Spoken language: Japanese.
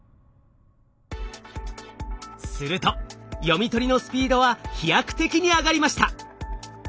すると読み取りのスピードは飛躍的に上がりました！